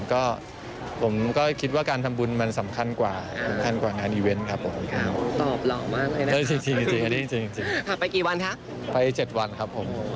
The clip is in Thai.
ครับผมก็คิดว่าการทำบุญมันสำคัญกว่านานอีเวนต์ครับ